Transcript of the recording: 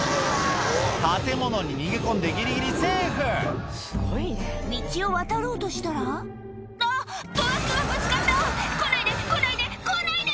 建物に逃げ込んでギリギリセーフ道を渡ろうとしたらあっトラックがぶつかった！来ないで来ないで来ないで！